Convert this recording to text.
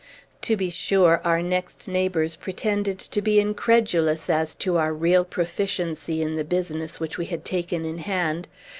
To be sure, our next neighbors pretended to be incredulous as to our real proficiency in the business which we had taken in hand.